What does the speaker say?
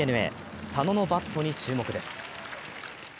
佐野のバットに注目です。